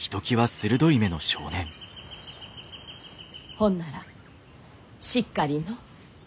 ほんならしっかりのう。